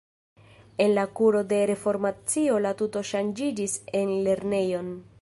En la kuro de Reformacio la tuto ŝanĝiĝis en lernejon.